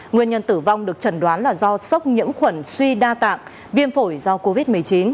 nguyên nhân tử vong được chẩn đoán là do sốc nhiễm khuẩn suy đa tạng viêm phổi do covid một mươi chín